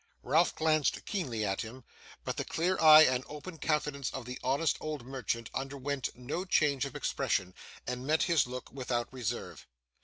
Ralph glanced keenly at him, but the clear eye and open countenance of the honest old merchant underwent no change of expression, and met his look without reserve.